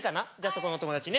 そこのお友達ね。